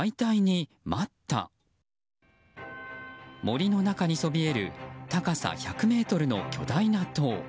森の中にそびえる高さ１００ｍの巨大な塔。